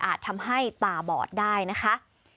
ทำให้ตาบอดได้นะคะ